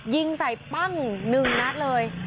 ยิงใส่ปั้ง๑นัดเลย